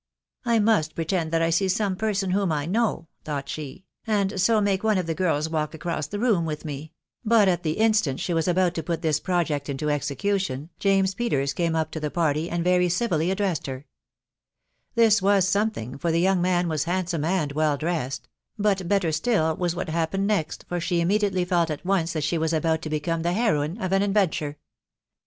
[" I must pretend that I see some person whom I know, nought she, Ci and so make one of the girls walk laoross the Dom with me ;" but at the instant she was about to pot this reject into execution, James Peters came up to ihe<pavty, and jry civilly addressed her* This was something, for the young an was handsome and well dressed; but better still was iat "happened next, for she immediately felt at enee that she about to "become the heroine of an adventuie.